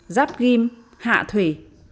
giáp ghim hạ thủy